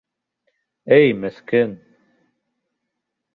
Эй, меҫкен.